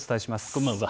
こんばんは。